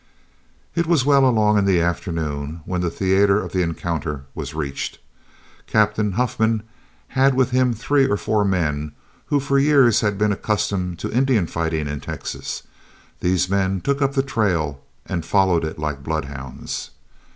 It was well along in the afternoon when the theatre of the encounter was reached. Captain Huffman had with him three or four men who for years had been accustomed to Indian fighting in Texas; these men took up the trail and followed it like bloodhounds.